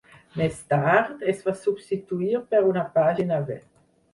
Més tard es va substituir per una pàgina web.